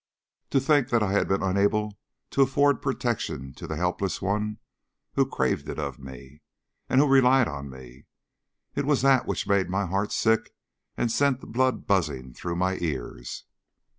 To think that I had been unable to afford protection to the helpless one who craved it of me, and who relied on me! It was that which made my heart sick and sent the blood buzzing through my ears.